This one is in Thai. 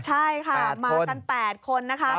ใช่ค่ะมากัน๘คนนะคะ